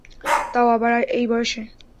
তাও আবার এই বয়সে।